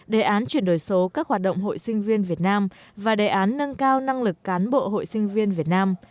đề án chuyển đổi số các hoạt động hội sinh viên việt nam và đề án nâng cao năng lực cán bộ hội sinh viên việt nam